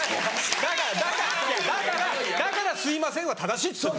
だからだからだからだから「すいません」は正しいって言ってるの。